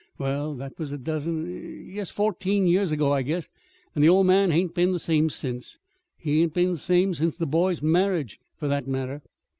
Well, that was a dozen yes, fourteen years ago, I guess, and the old man hain't been the same since. He hain't been the same since the boy's marriage, for that matter.